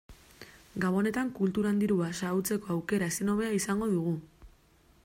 Gabonetan kulturan dirua xahutzeko aukera ezin hobea izango dugu.